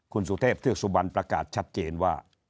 คุณสุเทพเทือกสุบันประกาศชัดเจนว่า